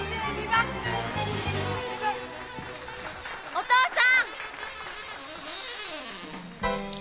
お父さん！